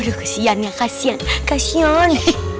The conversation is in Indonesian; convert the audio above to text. udah kasihan ya kasihan kasihan